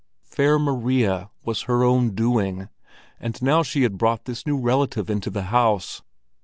Fair Maria was her own doing, and now she had brought this new relative into the house.